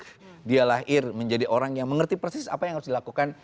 karena dia lahir menjadi orang yang mengerti persis apa yang harus dilakukan